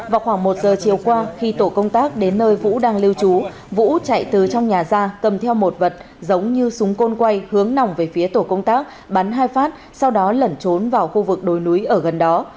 vào khoảng một giờ chiều qua khi tổ công tác đến nơi vũ đang lưu trú vũ chạy từ trong nhà ra cầm theo một vật giống như súng côn quay hướng nòng về phía tổ công tác bắn hai phát sau đó lẩn trốn vào khu vực đồi núi ở gần đó